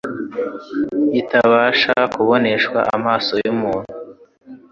itabasha kuboneshwa amaso ya muntu.